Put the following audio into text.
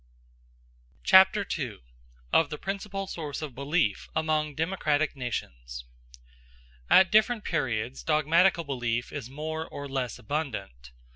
Chapter II: Of The Principal Source Of Belief Among Democratic Nations At different periods dogmatical belief is more or less abundant.